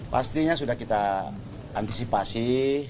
pastinya sudah kita antisipasi